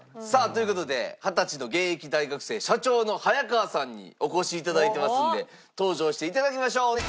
さあという事で二十歳の現役大学生社長の早川さんにお越し頂いてますんで登場して頂きましょう。